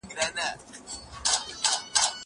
هغه وويل چي کتابتوني کار ضروري دي!